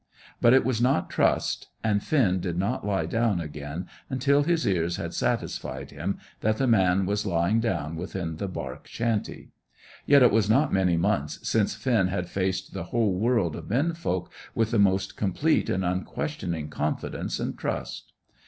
But it was not trust, and Finn did not lie down again until his ears had satisfied him that the man was lying down within the bark shanty. Yet it was not many months since Finn had faced the whole world of men folk with the most complete and unquestioning confidence and trust.